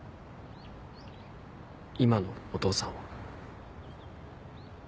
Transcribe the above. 今のお父さんは？